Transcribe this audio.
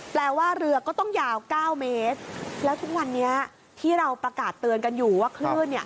แปลว่าเรือก็ต้องยาวเก้าเมตรแล้วทุกวันนี้ที่เราประกาศเตือนกันอยู่ว่าคลื่นเนี่ย